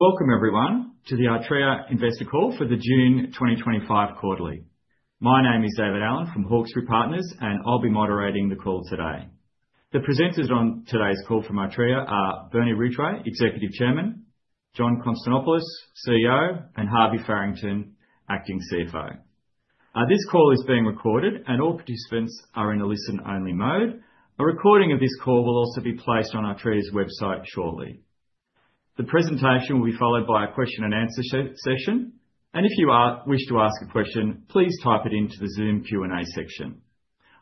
Welcome, everyone, to the Artrya Investor Call for the June 2025 Quarterly. My name is David Allen from Hawkesbury Partners, and I'll be moderating the call today. The presenters on today's call from Artrya are Bernie Ridgeway, Executive Chairman, John Konstantopoulos, CEO, and Harvey Farrington, Acting CFO. This call is being recorded, and all participants are in a listen-only mode. A recording of this call will also be placed on Artrya's website shortly. The presentation will be followed by a question and answer session, and if you wish to ask a question, please type it into the Zoom Q&A section.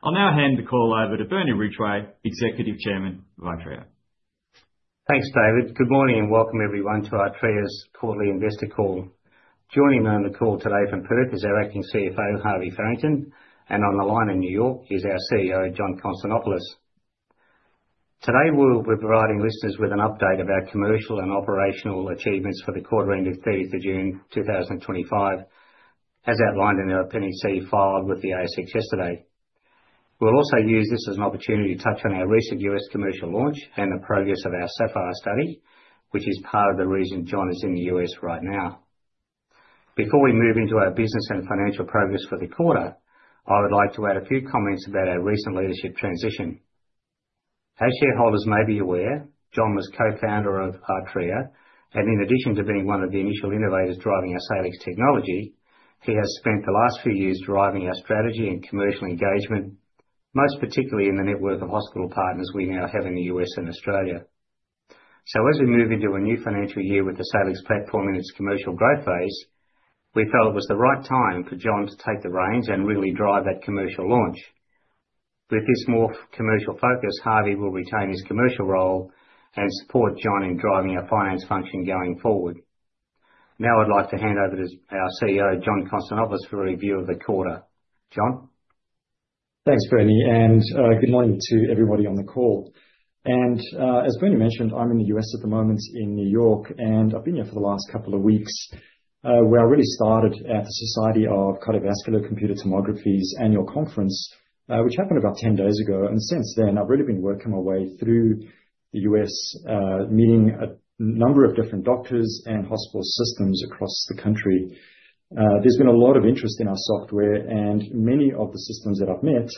I'll now hand the call over to Bernie Ridgeway, Executive Chairman of Artrya. Thanks, David. Good morning and welcome, everyone, to Artrya's Quarterly Investor Call. Joining me on the call today from Perth is our Acting CFO, Harvey Farrington, and on the line in New York is our CEO, John Konstantopoulos. Today, we'll be providing listeners with an update of our commercial and operational achievements for the quarter-ending 30th of June 2025, as outlined in our Appendix 4C filed with the ASX yesterday. We'll also use this as an opportunity to touch on our recent U.S. commercial launch and the progress of our SAPPHIRE study, which is part of the reason John is in the U.S. right now. Before we move into our business and financial progress for the quarter, I would like to add a few comments about our recent leadership transition. As shareholders may be aware, John was co-founder of Artrya, and in addition to being one of the initial innovators driving our Salix technology, he has spent the last few years driving our strategy and commercial engagement, most particularly in the network of hospital partners we now have in the U.S. and Australia. So, as we move into a new financial year with the Salix platform in its commercial growth phase, we felt it was the right time for John to take the reins and really drive that commercial launch. With this more commercial focus, Harvey will retain his commercial role and support John in driving our finance function going forward. Now, I'd like to hand over to our CEO, John Konstantopoulos, for a review of the quarter. John? Thanks, Bernie, and good morning to everybody on the call, and as Bernie mentioned, I'm in the U.S. at the moment in New York, and I've been here for the last couple of weeks, where I really started at the Society of Cardiovascular Computed Tomography's annual conference, which happened about 10 days ago, and since then, I've really been working my way through the U.S., meeting a number of different doctors and hospital systems across the country. There's been a lot of interest in our software, and many of the systems that I've met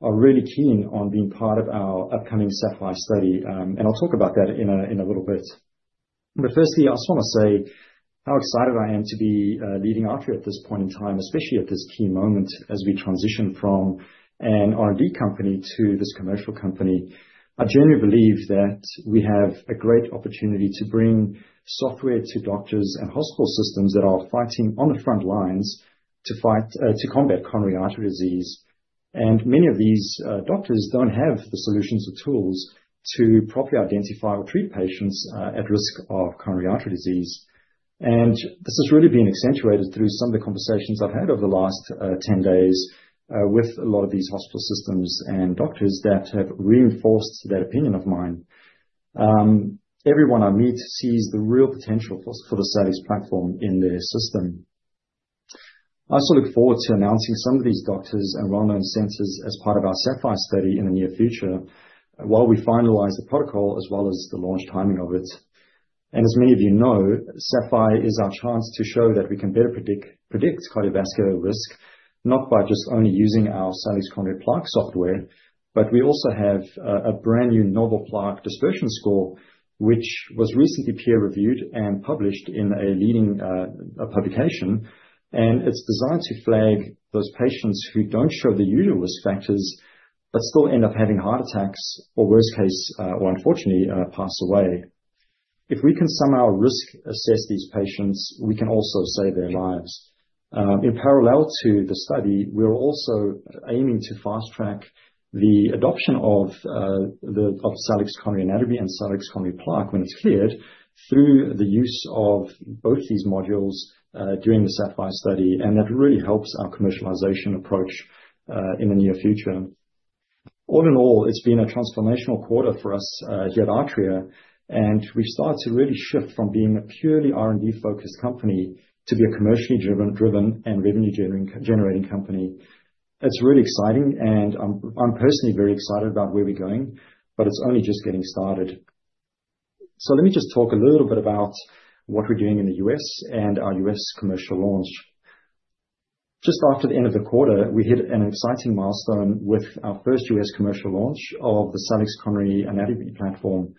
are really keen on being part of our upcoming SAPPHIRE study, and I'll talk about that in a little bit, but firstly, I just want to say how excited I am to be leading Artrya at this point in time, especially at this key moment as we transition from an R&D company to this commercial company. I genuinely believe that we have a great opportunity to bring software to doctors and hospital systems that are fighting on the front lines to combat coronary artery disease, and many of these doctors don't have the solutions or tools to properly identify or treat patients at risk of coronary artery disease. And this has really been accentuated through some of the conversations I've had over the last 10 days with a lot of these hospital systems and doctors that have reinforced that opinion of mine. Everyone I meet sees the real potential for the Salix platform in their system. I also look forward to announcing some of these doctors and well-known centers as part of our SAPPHIRE study in the near future while we finalize the protocol as well as the launch timing of it. As many of you know, SAPPHIRE is our chance to show that we can better predict cardiovascular risk, not by just only using our Salix cardiac plaque software, but we also have a brand new novel plaque dispersion score, which was recently peer-reviewed and published in a leading publication, and it's designed to flag those patients who don't show the usual risk factors but still end up having heart attacks or, worst case, or unfortunately, pass away. If we can somehow risk-assess these patients, we can also save their lives. In parallel to the study, we're also aiming to fast-track the adoption of Salix Coronary Anatomy and Salix Coronary Plaque when it's cleared through the use of both these modules during the SAPPHIRE study, and that really helps our commercialization approach in the near future. All in all, it's been a transformational quarter for us here at Artrya, and we've started to really shift from being a purely R&D-focused company to be a commercially driven and revenue-generating company. It's really exciting, and I'm personally very excited about where we're going, but it's only just getting started. So let me just talk a little bit about what we're doing in the U.S. and our U.S. commercial launch. Just after the end of the quarter, we hit an exciting milestone with our first U.S. commercial launch of the Salix Coronary Anatomy platform.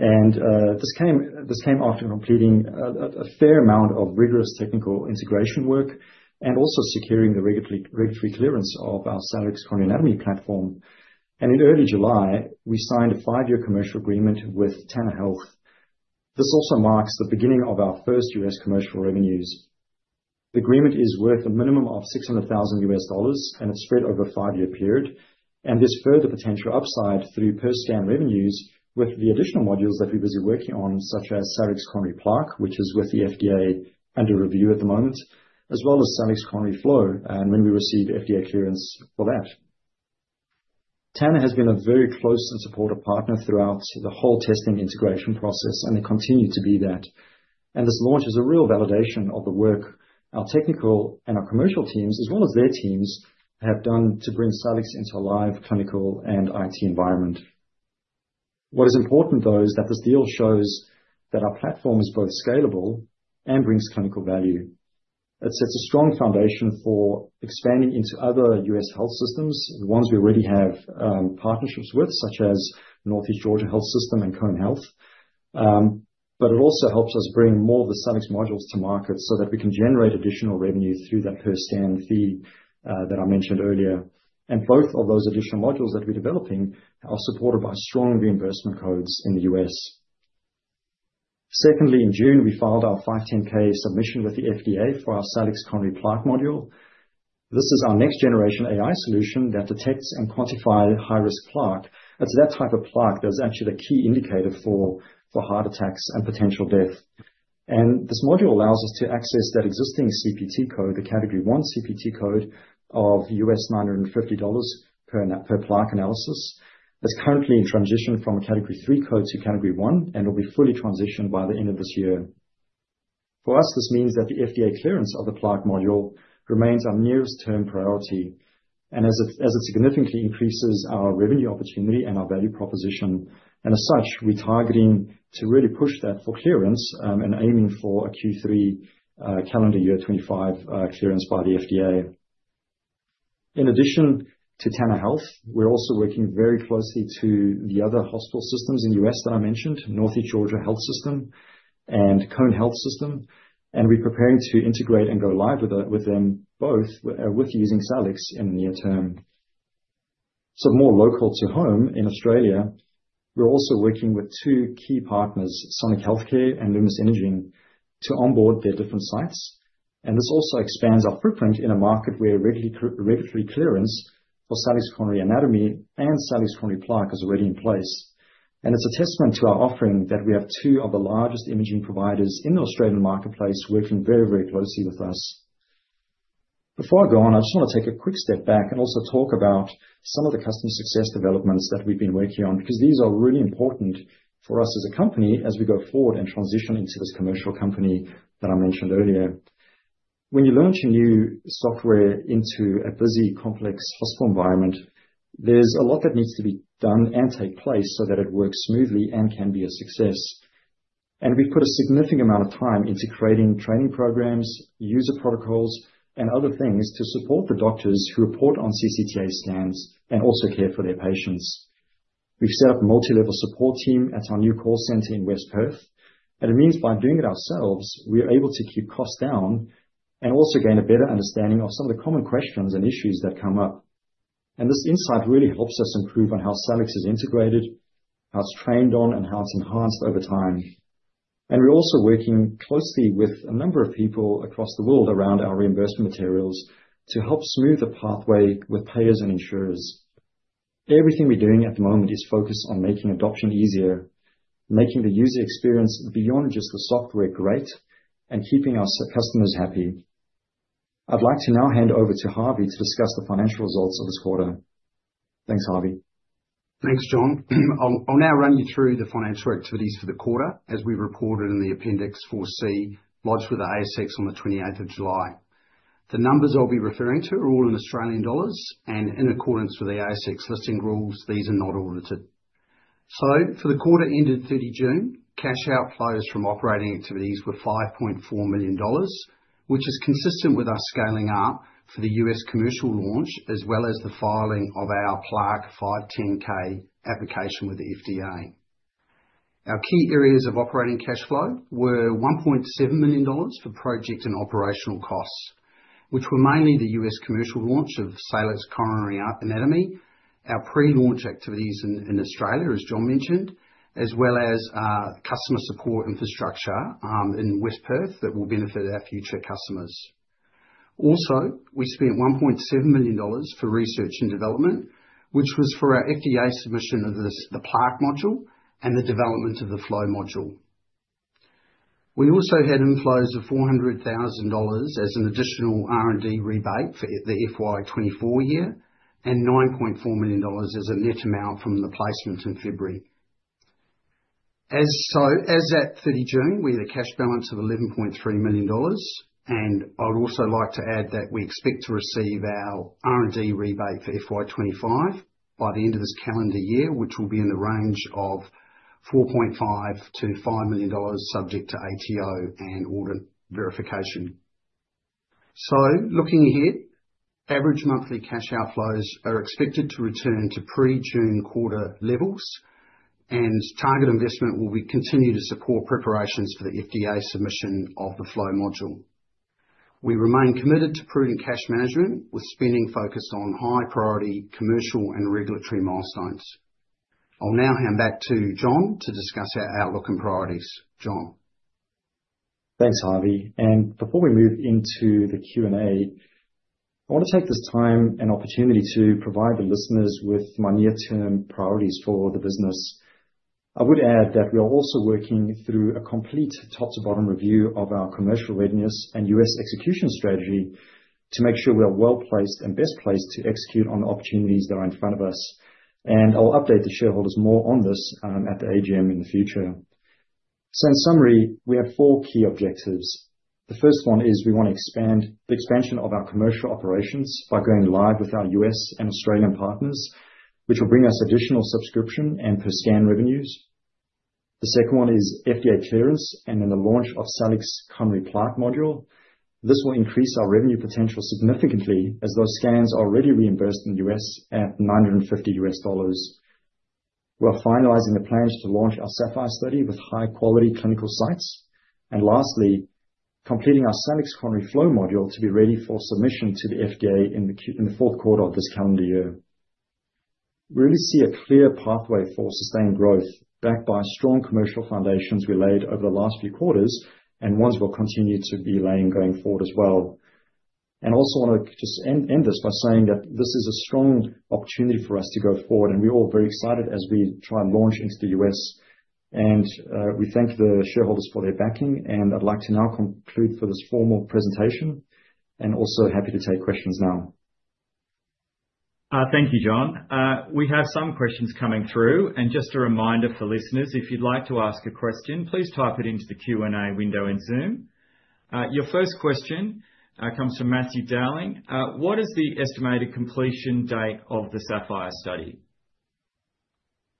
And this came after completing a fair amount of rigorous technical integration work and also securing the regulatory clearance of our Salix Coronary Anatomy platform. And in early July, we signed a five-year commercial agreement with Tanner Health. This also marks the beginning of our first U.S. commercial revenues. The agreement is worth a minimum of $600,000 and it's spread over a five-year period. And this further potential upside through per scan revenues with the additional modules that we're busy working on, such as Salix Coronary Plaque, which is with the FDA under review at the moment, as well as Salix Coronary Flow, and when we receive FDA clearance for that. Tanner has been a very close and supportive partner throughout the whole testing integration process, and they continue to be that. And this launch is a real validation of the work our technical and our commercial teams, as well as their teams, have done to bring Salix into a live clinical and IT environment. What is important, though, is that this deal shows that our platform is both scalable and brings clinical value. It sets a strong foundation for expanding into other U.S. health systems, the ones we already have partnerships with, such as Northeast Georgia Health System and Cone Health, but it also helps us bring more of the Salix modules to market so that we can generate additional revenue through that per scan fee that I mentioned earlier. And both of those additional modules that we're developing are supported by strong reimbursement codes in the U.S. Secondly, in June, we filed our 510(k) submission with the FDA for our Salix Coronary Plaque module. This is our next-generation AI solution that detects and quantifies high-risk plaque. It's that type of plaque that is actually the key indicator for heart attacks and potential death, and this module allows us to access that existing CPT code, the Category 1 CPT code of $950 per plaque analysis. It's currently in transition from a Category 3 code to Category 1, and it will be fully transitioned by the end of this year. For us, this means that the FDA clearance of the plaque module remains our nearest-term priority, and as it significantly increases our revenue opportunity and our value proposition, and as such, we're targeting to really push that for clearance and aiming for a Q3 calendar year 2025 clearance by the FDA. In addition to Tanner Health, we're also working very closely to the other hospital systems in the U.S. that I mentioned, Northeast Georgia Health System and Cone Health, and we're preparing to integrate and go live with them both with using Salix in the near term. So more local to home in Australia, we're also working with two key partners, Sonic Healthcare and Lumus Imaging, to onboard their different sites. And this also expands our footprint in a market where regulatory clearance for Salix Coronary Anatomy and Salix Coronary Plaque is already in place. And it's a testament to our offering that we have two of the largest imaging providers in the Australian marketplace working very, very closely with us. Before I go on, I just want to take a quick step back and also talk about some of the customer success developments that we've been working on, because these are really important for us as a company as we go forward and transition into this commercial company that I mentioned earlier. When you launch a new software into a busy, complex hospital environment, there's a lot that needs to be done and take place so that it works smoothly and can be a success. We've put a significant amount of time into creating training programs, user protocols, and other things to support the doctors who report on CCTA scans and also care for their patients. We've set up a multilevel support team at our new call center in West Perth, and it means by doing it ourselves, we're able to keep costs down and also gain a better understanding of some of the common questions and issues that come up. This insight really helps us improve on how Salix is integrated, how it's trained on, and how it's enhanced over time. We're also working closely with a number of people across the world around our reimbursement materials to help smooth the pathway with payers and insurers. Everything we're doing at the moment is focused on making adoption easier, making the user experience beyond just the software great, and keeping our customers happy. I'd like to now hand over to Harvey to discuss the financial results of this quarter. Thanks, Harvey. Thanks, John. I'll now run you through the financial activities for the quarter, as we've reported in the Appendix 4C, lodged with the ASX on the 28th of July. The numbers I'll be referring to are all in Australian dollars, and in accordance with the ASX listing rules, these are not audited. So for the quarter ended 30 June, cash outflows from operating activities were 5.4 million dollars, which is consistent with our scaling up for the U.S. commercial launch as well as the filing of our plaque 510(k) application with the FDA. Our key areas of operating cash flow were 1.7 million dollars for project and operational costs, which were mainly the U.S. commercial launch of Salix Coronary Anatomy, our pre-launch activities in Australia, as John mentioned, as well as customer support infrastructure in West Perth that will benefit our future customers. Also, we spent 1.7 million dollars for research and development, which was for our FDA submission of the plaque module and the development of the flow module. We also had inflows of 400,000 dollars as an additional R&D rebate for the FY 2024 year and 9.4 million dollars as a net amount from the placement in February. So as at 30 June, we had a cash balance of 11.3 million dollars, and I would also like to add that we expect to receive our R&D rebate for FY 2025 by the end of this calendar year, which will be in the range of 4.5 million-5 million dollars, subject to ATO and audit verification. So looking ahead, average monthly cash outflows are expected to return to pre-June quarter levels, and target investment will continue to support preparations for the FDA submission of the flow module. We remain committed to prudent cash management with spending focused on high-priority commercial and regulatory milestones. I'll now hand back to John to discuss our outlook and priorities. John. Thanks, Harvey. And before we move into the Q&A, I want to take this time and opportunity to provide the listeners with my near-term priorities for the business. I would add that we are also working through a complete top-to-bottom review of our commercial readiness and U.S. execution strategy to make sure we are well placed and best placed to execute on the opportunities that are in front of us. And I'll update the shareholders more on this at the AGM in the future. So in summary, we have four key objectives. The first one is we want to expand the expansion of our commercial operations by going live with our U.S. and Australian partners, which will bring us additional subscription and per-scan revenues. The second one is FDA clearance and then the launch of Salix Coronary Plaque module. This will increase our revenue potential significantly as those scans are already reimbursed in the U.S. at $950. We're finalizing the plans to launch our SAPPHIRE study with high-quality clinical sites. And lastly, completing our Salix Coronary Flow module to be ready for submission to the FDA in the fourth quarter of this calendar year. We really see a clear pathway for sustained growth backed by strong commercial foundations we laid over the last few quarters and ones we'll continue to be laying going forward as well. And I also want to just end this by saying that this is a strong opportunity for us to go forward, and we're all very excited as we try and launch into the U.S. And we thank the shareholders for their backing, and I'd like to now conclude for this formal presentation and also happy to take questions now. Thank you, John. We have some questions coming through, and just a reminder for listeners, if you'd like to ask a question, please type it into the Q&A window in Zoom. Your first question comes from Matthew Dowling. What is the estimated completion date of the SAPPHIRE study?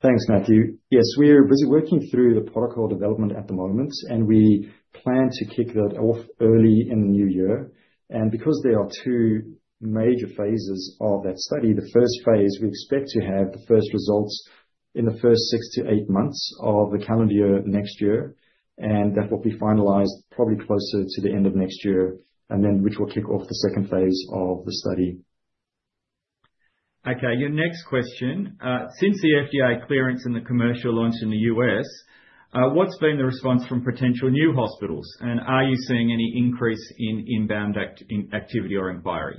Thanks, Matthew. Yes, we're busy working through the protocol development at the moment, and we plan to kick that off early in the new year, and because there are two major phases of that study, the first phase, we expect to have the first results in the first six to eight months of the calendar year next year, and that will be finalized probably closer to the end of next year, and then which will kick off the second phase of the study. Okay, your next question. Since the FDA clearance and the commercial launch in the U.S., what's been the response from potential new hospitals? And are you seeing any increase in inbound activity or inquiry?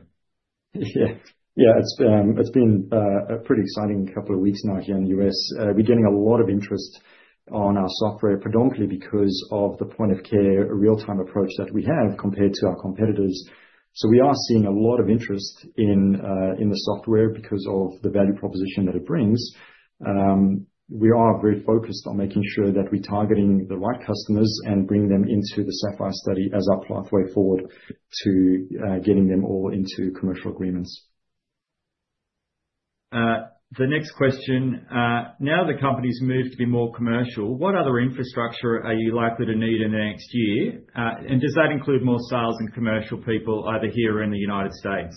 Yeah, it's been a pretty exciting couple of weeks now here in the U.S. We're getting a lot of interest on our software, predominantly because of the point-of-care real-time approach that we have compared to our competitors. So we are seeing a lot of interest in the software because of the value proposition that it brings. We are very focused on making sure that we're targeting the right customers and bringing them into the SAPPHIRE study as our pathway forward to getting them all into commercial agreements. The next question. Now the company's moved to be more commercial. What other infrastructure are you likely to need in the next year? And does that include more sales and commercial people either here or in the United States?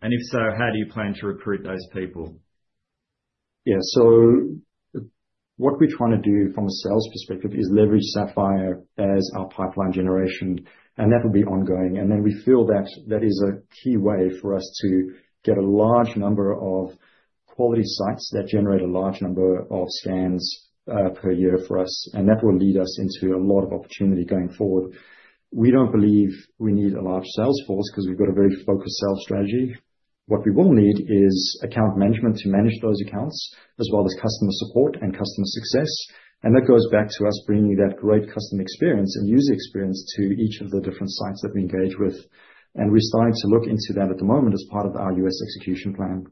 And if so, how do you plan to recruit those people? Yeah, so what we're trying to do from a sales perspective is leverage SAPPHIRE as our pipeline generation, and that will be ongoing, and then we feel that that is a key way for us to get a large number of quality sites that generate a large number of scans per year for us, and that will lead us into a lot of opportunity going forward. We don't believe we need a large sales force because we've got a very focused sales strategy. What we will need is account management to manage those accounts, as well as customer support and customer success, and that goes back to us bringing that great customer experience and user experience to each of the different sites that we engage with, and we're starting to look into that at the moment as part of our U.S. execution plan.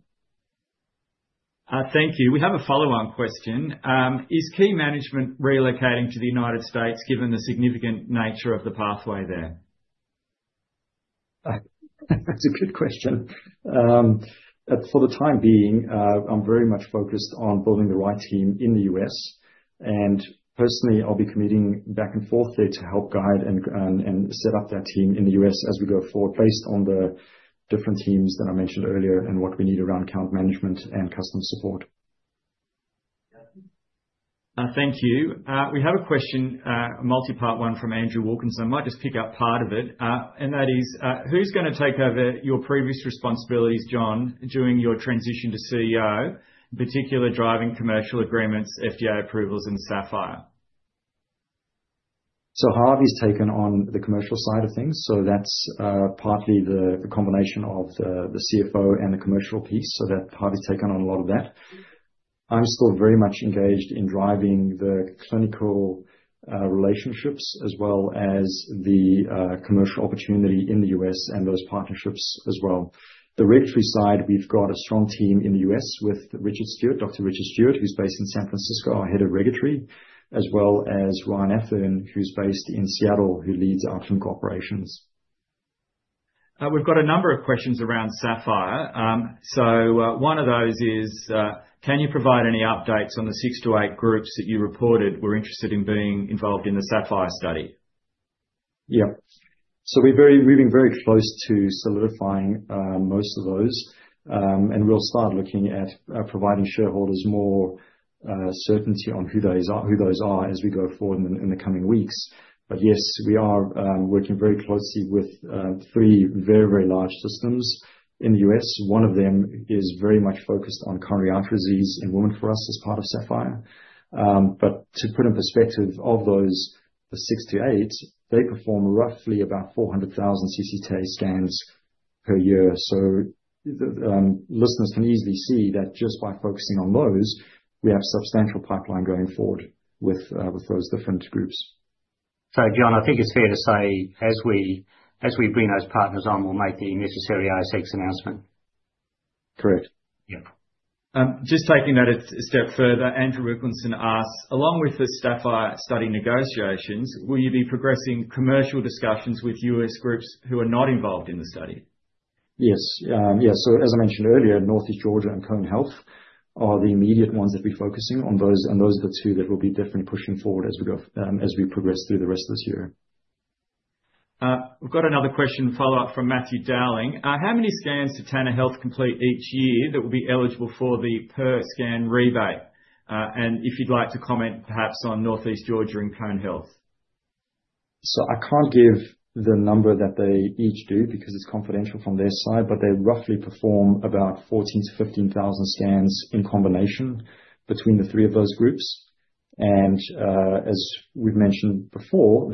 Thank you. We have a follow-on question. Is key management relocating to the United States given the significant nature of the pathway there? That's a good question. For the time being, I'm very much focused on building the right team in the U.S. And personally, I'll be commuting back and forth there to help guide and set up that team in the U.S. as we go forward based on the different teams that I mentioned earlier and what we need around account management and customer support. Thank you. We have a question, a multi-part one from Andrew Wilkinson. I might just pick up part of it. And that is, who's going to take over your previous responsibilities, John, during your transition to CEO, in particular driving commercial agreements, FDA approvals, and SAPPHIRE? So Harvey's taken on the commercial side of things. So that's partly the combination of the CFO and the commercial piece. So that Harvey's taken on a lot of that. I'm still very much engaged in driving the clinical relationships as well as the commercial opportunity in the U.S. and those partnerships as well. The regulatory side, we've got a strong team in the U.S. with Richard Stewart, Dr. Richard Stewart, who's based in San Francisco, our head of regulatory, as well as Ryan Athearn, who's based in Seattle, who leads our clinical operations. We've got a number of questions around SAPPHIRE. So one of those is, can you provide any updates on the six to eight groups that you reported were interested in being involved in the SAPPHIRE study? Yeah. So we're very close to solidifying most of those, and we'll start looking at providing shareholders more certainty on who those are as we go forward in the coming weeks. But yes, we are working very closely with three very, very large systems in the U.S. One of them is very much focused on coronary artery disease in women for us as part of SAPPHIRE. But to put those into perspective, the six to eight, they perform roughly about 400,000 CCTA scans per year. So listeners can easily see that just by focusing on those, we have a substantial pipeline going forward with those different groups. So John, I think it's fair to say as we bring those partners on, we'll make the necessary ASX announcement. Correct. Yeah. Just taking that a step further, Andrew Wilkinson asks, along with the SAPPHIRE study negotiations, will you be progressing commercial discussions with U.S. groups who are not involved in the study? Yes. Yeah. So as I mentioned earlier, Northeast Georgia and Cone Health are the immediate ones that we're focusing on, and those are the two that we'll be definitely pushing forward as we progress through the rest of this year. We've got another question, follow-up from Matthew Dowling. How many scans do Tanner Health complete each year that will be eligible for the per-scan rebate? And if you'd like to comment perhaps on Northeast Georgia and Cone Health. I can't give the number that they each do because it's confidential from their side, but they roughly perform about 14,000-15,000 scans in combination between the three of those groups. As we've mentioned before,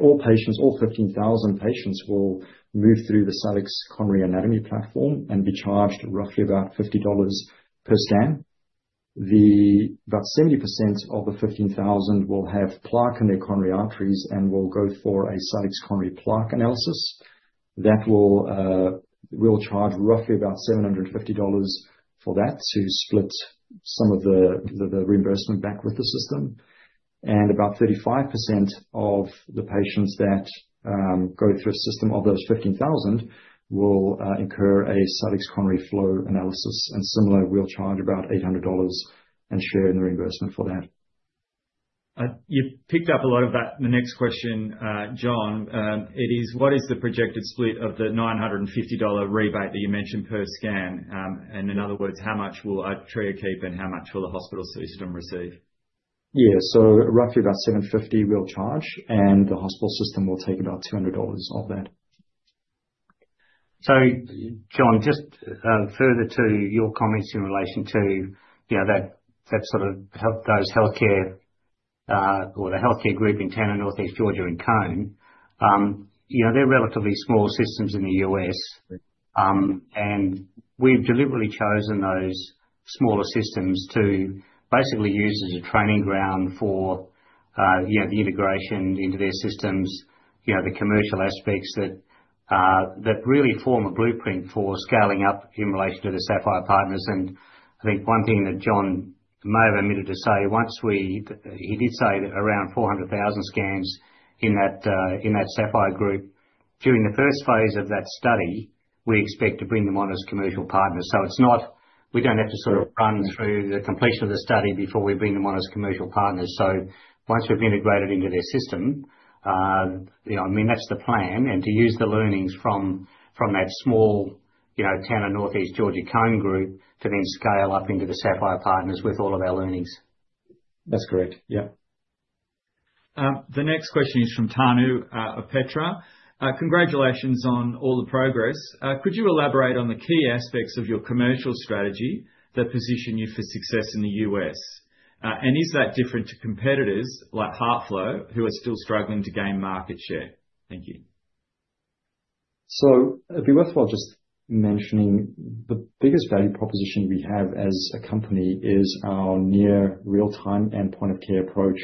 all 15,000 patients will move through the Salix Coronary Anatomy platform and be charged roughly about 50 dollars per scan. About 70% of the 15,000 will have plaque in their coronary arteries and will go for a Salix Coronary Plaque analysis. We'll charge roughly about 750 dollars for that to split some of the reimbursement back with the system. About 35% of the patients that go through a system of those 15,000 will incur a Salix Coronary Flow analysis. Similarly, we'll charge about 800 dollars and share in the reimbursement for that. You picked up a lot of that in the next question, John. It is, what is the projected split of the 950 dollar rebate that you mentioned per scan? And in other words, how much will Artrya keep and how much will the hospital system receive? Yeah. So roughly about 750 we'll charge, and the hospital system will take about 200 dollars of that. So John, just further to your comments in relation to that sort of those healthcare or the healthcare group in Tanner Health, Northeast Georgia Health System, and Cone Health, they're relatively small systems in the U.S. and we've deliberately chosen those smaller systems to basically use as a training ground for the integration into their systems, the commercial aspects that really form a blueprint for scaling up in relation to the SAPPHIRE partners. And I think one thing that John may have admitted to say, he did say that around 400,000 scans in that SAPPHIRE group, during the first phase of that study, we expect to bring them on as commercial partners. So we don't have to sort of run through the completion of the study before we bring them on as commercial partners. So once we've integrated into their system, I mean, that's the plan. And to use the learnings from that small Tanner, Northeast Georgia, Cone group to then scale up into the SAPPHIRE partners with all of our learnings. That's correct. Yeah. The next question is from Tanu Petra. Congratulations on all the progress. Could you elaborate on the key aspects of your commercial strategy that position you for success in the U.S.? And is that different to competitors like HeartFlow who are still struggling to gain market share? Thank you. It'd be worthwhile just mentioning the biggest value proposition we have as a company is our near real-time and point-of-care approach.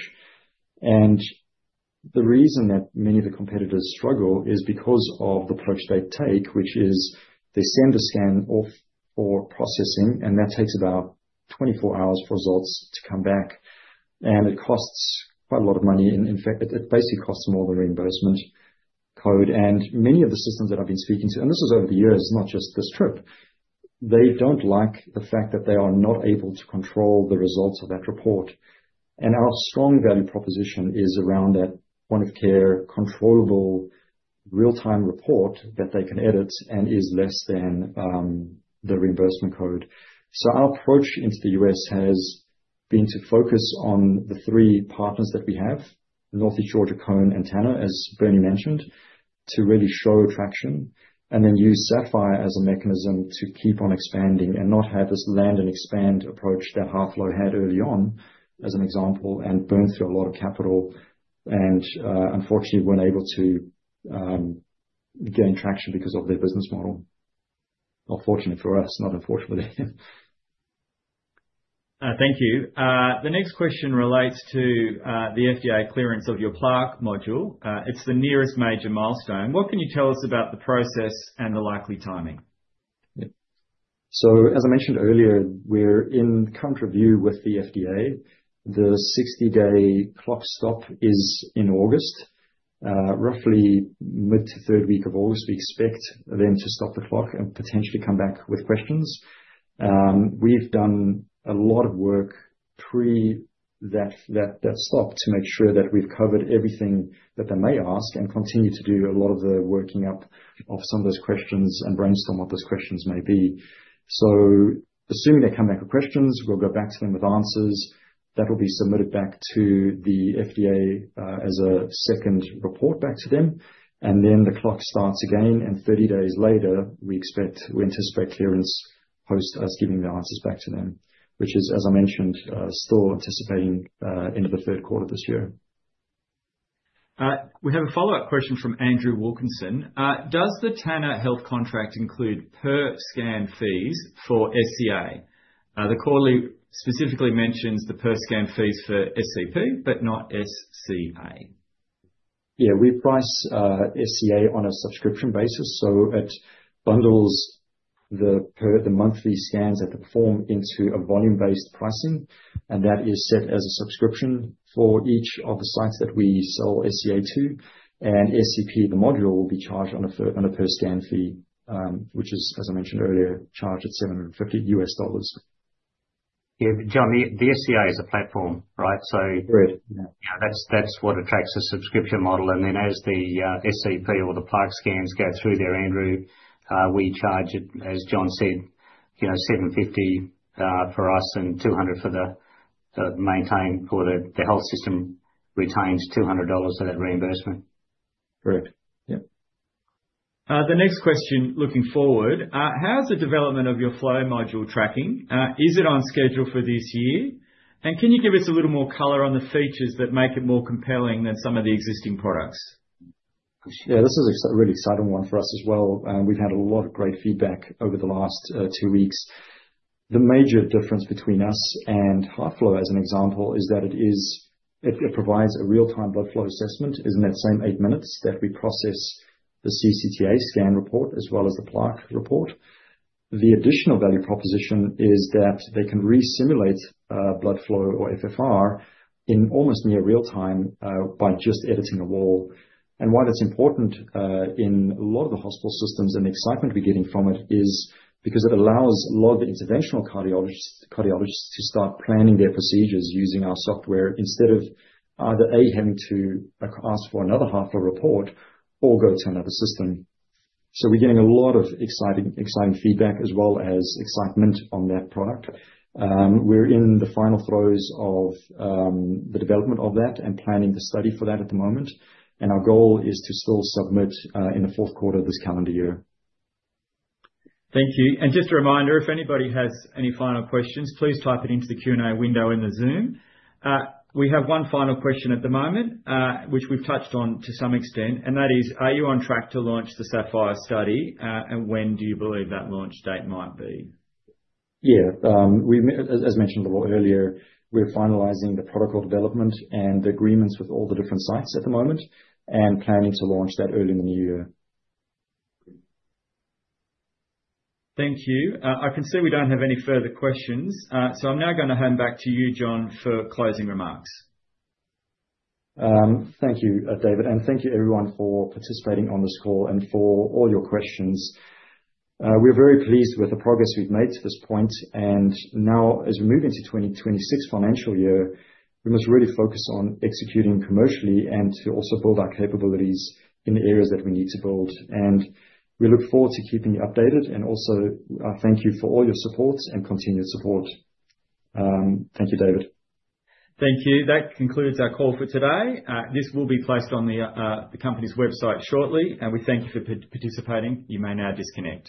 The reason that many of the competitors struggle is because of the approach they take, which is they send a scan off for processing, and that takes about 24 hours for results to come back. It costs quite a lot of money. In fact, it basically costs more than reimbursement code. Many of the systems that I've been speaking to, and this is over the years, not just this trip, they don't like the fact that they are not able to control the results of that report. Our strong value proposition is around that point-of-care controllable real-time report that they can edit and is less than the reimbursement code. So our approach into the U.S. has been to focus on the three partners that we have, Northeast Georgia, Cone, and Tanner, as Bernie mentioned, to really show traction and then use SAPPHIRE as a mechanism to keep on expanding and not have this land and expand approach that HeartFlow had early on, as an example, and burn through a lot of capital. And unfortunately, we're unable to gain traction because of their business model. Well, fortunately for us, not unfortunately. Thank you. The next question relates to the FDA clearance of your plaque module. It's the nearest major milestone. What can you tell us about the process and the likely timing? So as I mentioned earlier, we're in the review with the FDA. The 60-day clock stop is in August. Roughly mid to third week of August, we expect them to stop the clock and potentially come back with questions. We've done a lot of work pre that stop to make sure that we've covered everything that they may ask and continue to do a lot of the working up of some of those questions and brainstorm what those questions may be. So assuming they come back with questions, we'll go back to them with answers. That will be submitted back to the FDA as a second report back to them. And then the clock starts again. And 30 days later, we anticipate clearance post us giving the answers back to them, which is, as I mentioned, still anticipating into the third quarter of this year. We have a follow-up question from Andrew Wilkinson. Does the Tanner Health contract include per-scan fees for SCA? The quarterly specifically mentions the per-scan fees for SCP, but not SCA. Yeah, we price SCA on a subscription basis. So it bundles the monthly scans that perform into a volume-based pricing. And that is set as a subscription for each of the sites that we sell SCA to and SCP, the module, will be charged on a per-scan fee, which is, as I mentioned earlier, charged at AUD 750. Yeah. John, the SCA is a platform, right? Right. That's what attracts a subscription model. And then as the SCP or the plaque scans go through there, Andrew, we charge it, as John said, 750 for us and 200 for the maintenance for the health system retains 200 dollars of that reimbursement. Correct. Yeah. The next question, looking forward, how's the development of your flow module tracking? Is it on schedule for this year? And can you give us a little more color on the features that make it more compelling than some of the existing products? Yeah, this is a really exciting one for us as well. We've had a lot of great feedback over the last two weeks. The major difference between us and HeartFlow, as an example, is that it provides a real-time blood flow assessment. It's in that same eight minutes that we process the CCTA scan report as well as the plaque report. The additional value proposition is that they can resimulate blood flow or FFR in almost near real-time by just editing a wall, and why that's important in a lot of the hospital systems and the excitement we're getting from it is because it allows a lot of the interventional cardiologists to start planning their procedures using our software instead of either A, having to ask for another HeartFlow report or go to another system. So we're getting a lot of exciting feedback as well as excitement on that product. We're in the final throes of the development of that and planning the study for that at the moment, and our goal is to still submit in the fourth quarter of this calendar year. Thank you, and just a reminder, if anybody has any final questions, please type it into the Q&A window in the Zoom. We have one final question at the moment, which we've touched on to some extent, and that is, are you on track to launch the SAPPHIRE study? And when do you believe that launch date might be? Yeah. As mentioned a little earlier, we're finalizing the protocol development and the agreements with all the different sites at the moment and planning to launch that early in the new year. Thank you. I can see we don't have any further questions. So I'm now going to hand back to you, John, for closing remarks. Thank you, David. And thank you, everyone, for participating on this call and for all your questions. We're very pleased with the progress we've made to this point. And now, as we move into 2026 financial year, we must really focus on executing commercially and to also build our capabilities in the areas that we need to build. And we look forward to keeping you updated. And also, thank you for all your support and continued support. Thank you, David. Thank you. That concludes our call for today. This will be placed on the company's website shortly, and we thank you for participating. You may now disconnect.